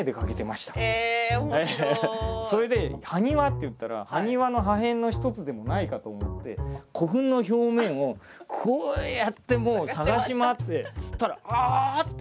それで埴輪っていったら埴輪の破片の一つでもないかと思って古墳の表面をこうやってもう探し回ってそしたらあああった！